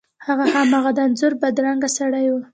هغه هماغه د انځور بدرنګه سړی و.